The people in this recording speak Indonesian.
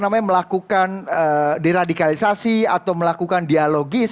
melakukan deradikalisasi atau melakukan dialogis